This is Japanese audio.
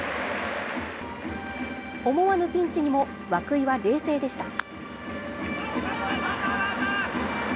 思わぬピンチにも、涌井は冷静でした。